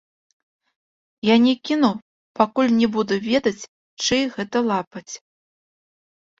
Я не кіну, пакуль не буду ведаць, чый гэта лапаць.